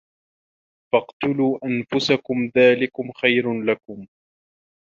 فَاقْتُلُوا أَنْفُسَكُمْ ذَٰلِكُمْ خَيْرٌ لَكُمْ